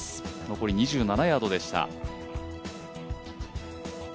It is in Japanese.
残り２７ヤードでした。